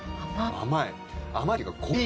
甘い。